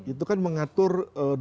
itu kan mengatur